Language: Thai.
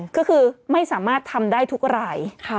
ก็คือไม่สามารถทำได้ทุกราย